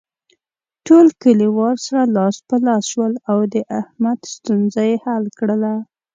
ټول کلیوال سره لاس په لاس شول او د احمد ستونزه یې حل کړله.